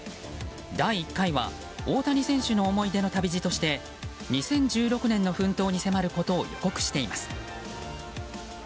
第１回は大谷選手の思い出の旅路として２０１６年の奮闘に迫ることを予告しています。